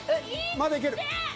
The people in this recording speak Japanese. まだいける。